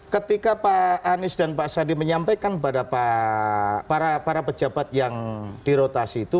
ketika pak anies dan pak sandi menyampaikan pada para pejabat yang dirotasi itu